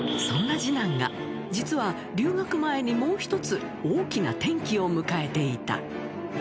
そんな次男が、実は留学前に、もう一つ、大きな転機を迎えていた。